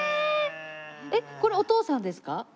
えっこれお父さんですか？